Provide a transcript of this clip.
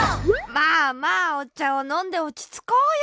まあまあおちゃをのんでおちつこうよ。